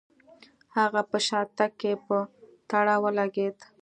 هغه په شاتګ کې په تړه ولګېد.